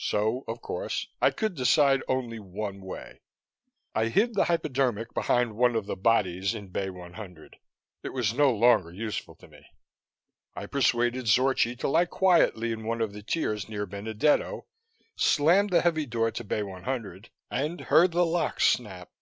So, of course, I could decide only one way. I hid the hypodermic behind one of the bodies in Bay 100; it was no longer useful to me. I persuaded Zorchi to lie quietly in one of the tiers near Benedetto, slammed the heavy door to Bay 100, and heard the locks snap.